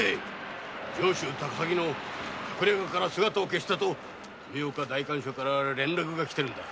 上州高崎の隠れ家から姿を消したと代官所から連絡がきているんだ。